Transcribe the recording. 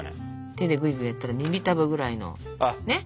手でグイグイやったら耳たぶぐらいのねっ。